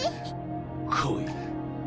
来い。